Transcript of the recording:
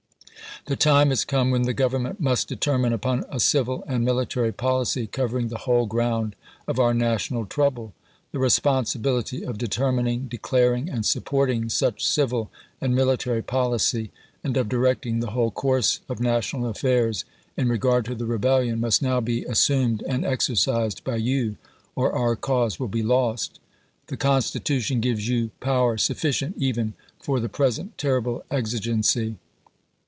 The time has come when the Government must determine upon a civil and military policy covering the whole ground of our national trouble. The responsibility of determining, declaring, and supporting such civil and military policy, and of directing the whole course of na tional affairs in regard to the rebellion, must now be assumed and exercised by you, or our cause will be lost. The Constitution gives you power sufficient even for the present terrible exigency.